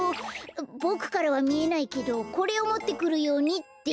ボクからはみえないけどこれをもってくるようにって。